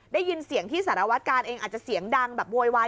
ได้ยินเสียงที่สารวัตกาลเองอาจจะเสียงดังแบบโวยวาย